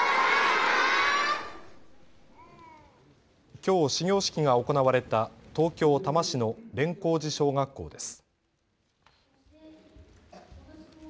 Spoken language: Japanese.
きょう始業式が行われた東京多摩市の連光寺小学校です。